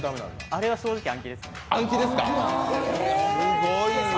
あれは正直暗記ですね。